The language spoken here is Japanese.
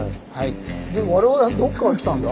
で我々はどっから来たんだ？